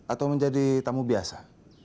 atau menjadi tamu biasa